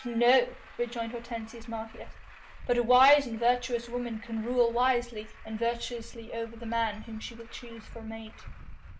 "No," rejoined Hortensius Martius, "but a wise and virtuous woman can rule wisely and virtuously over the man whom she will choose for mate."